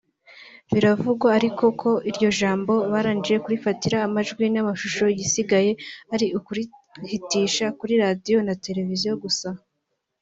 Biravugwa ariko ko iryo jambo barangije kurifata amajwi n'amashusho igisigaye ari ukurihitisha kuri Radio na Television gusa